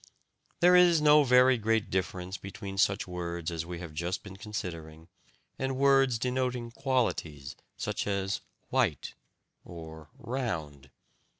There is no very great difference between such words as we have just been considering and words denoting qualities, such as "white" or "round."